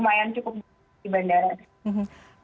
kalau untuk jabar karena kita sudah di bandara kita sudah di bandara